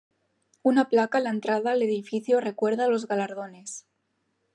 Una placa en la entrada al edificio recuerda los galardones.